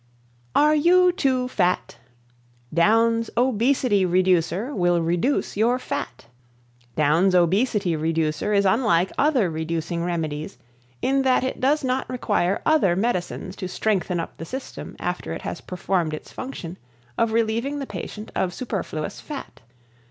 ] ARE YOU TOO FAT? DOWNS' Obesity Reducer Will Reduce your Fat Downs' Obesity Reducer is unlike other reducing remedies in that it does not require other medicines to strengthen up the system after it has performed its function of relieving the patient of superfluous fat.